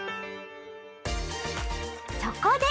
そこで！